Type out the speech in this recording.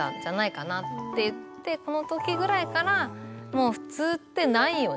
この時ぐらいからもう普通ってないよねっていう。